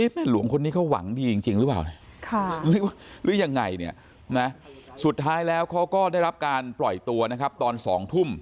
หลวงคนนี้เขาหวังดีจริงหรือเปล่าหรือยังไงเนี่ยนะสุดท้ายแล้วเขาก็ได้รับการปล่อยตัวนะครับตอน๒ทุ่ม